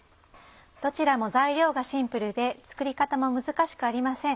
どちらも材料がシンプルで作り方も難しくありません。